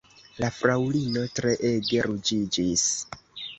La fraŭlino treege ruĝiĝis.